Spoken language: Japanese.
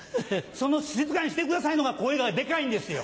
その「静かにしてください」のが声がデカいんですよ。